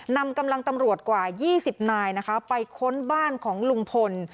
นำกำลังตำรวจกว่า๒๐นายนะคะไปค้นบ้านของลุงพล